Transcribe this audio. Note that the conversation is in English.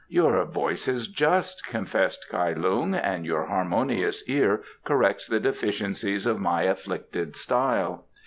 "Your voice is just," confessed Kai Lung, "and your harmonious ear corrects the deficiencies of my afflicted style.